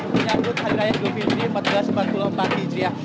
menyambut hari raya idul fitri seribu empat ratus empat puluh empat hijriah